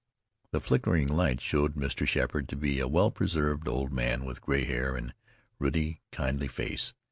The flickering light showed Mr. Sheppard to be a well preserved old man with gray hair and ruddy, kindly face.